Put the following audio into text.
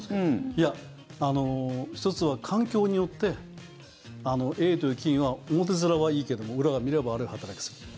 いや、１つは環境によってＡという菌は表面はいいけども裏を見れば悪い働きをする。